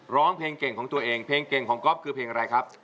ร้องเพลงเก่งของตัวเองเพลงเก่งของก๊อฟคือเพลงอะไรครับ